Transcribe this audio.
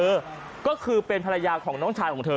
เธอก็คือเป็นภรรยาของน้องชายของเธอ